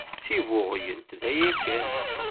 D tibbuɣyelt daya kan.